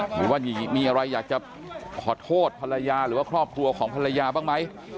หรือว่ามีอะไรอยากจะขอโทษภรรยาหรือว่าครอบครัวของภรรยาบ้างไหม